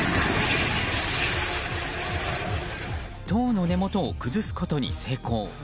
塔の根元を崩すことに成功。